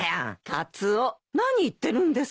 カツオ何言ってるんですか。